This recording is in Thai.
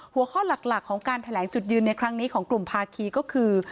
หัวข้อหลักของการแถลงจุดยืนในครั้งนี้ของกลุ่มภาคีก็คือ